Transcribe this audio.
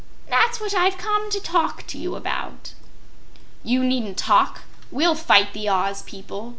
"That's what I've come to talk to you about." "You needn't talk! We'll fight the Oz people!"